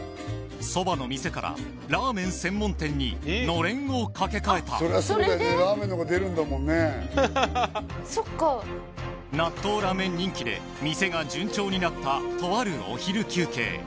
そばの店からラーメン専門店にのれんを掛けかえた納豆ラーメン人気で店が順調になったとあるお昼休憩